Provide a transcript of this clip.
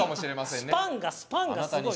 スパンがスパンがすごい。